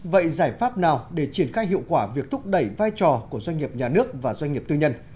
vậy giải pháp nào để triển khai hiệu quả việc thúc đẩy vai trò của doanh nghiệp nhà nước và doanh nghiệp tư nhân